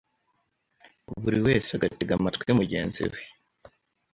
buri wese agatega amatwi mugenzi we,